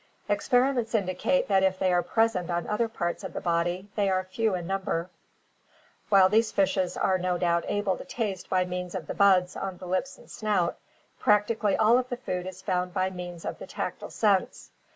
Experiments indicate that if they are present on other parts of the body they are few in number. While these fishes are no doubt able to taste by means of the buds on the lips and snout, practically all of the food is found by means of the tactile sense.